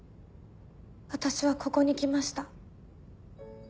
私はここに来ました。